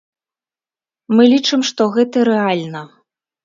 Мы лічым, што гэта рэальна.